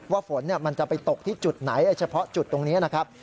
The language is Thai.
ฝนมันจะไปตกที่จุดไหนเฉพาะจุดตรงนี้นะครับ